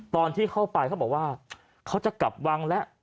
ตอนที่เข้าไปเขาบอกว่าเขาจะกลับวังแล้ว